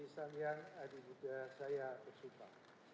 sang hyang adi buddha saya bersumpah